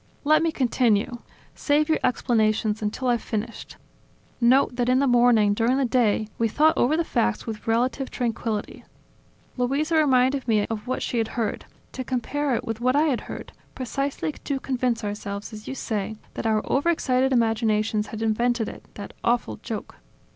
"Let me continue. Save your explanations until I've finished. Note that in the morning, during the day, we thought over the facts with relative tranquility. Luisa reminded me of what she had heard, to compare it with what I had heard, precisely to convince ourselves, as you say, that our overexcited imaginations had invented it, that awful joke.